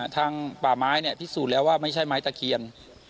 ทางป่าไม้พิสูจน์แล้วว่าไม่ใช่ไม้ตะเคียน